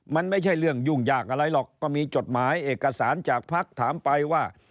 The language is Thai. มันไม่ใช่เรื่องยุ่งยากอะไรหรอกก็มีจดหมายเอกสารจากพักถามไปว่า